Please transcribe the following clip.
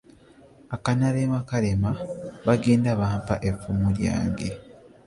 Akanalema Kalema bagenda bampe effumu lyange.